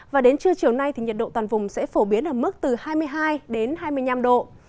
và đến trưa chiều nay thì nhiệt độ toàn vùng sẽ phổ biến ở mức từ hai mươi hai đến hai mươi năm độ